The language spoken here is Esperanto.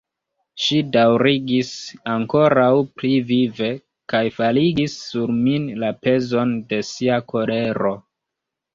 Ŝi daŭrigis ankoraŭ pli vive, kaj faligis sur min la pezon de sia kolero.